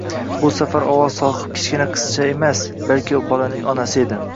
Bu safar ovoz sohibi kichkina qizcha emas, balki bolaning onasi edi